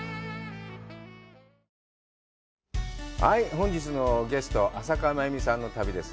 本日のゲスト、朝加真由美さんの旅です。